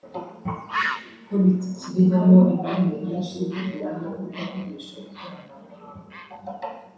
ko bitikiriramo imari nyinshi bitewe no kudakoresha ikoranabuhanga